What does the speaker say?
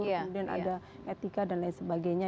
kemudian ada etika dan lain sebagainya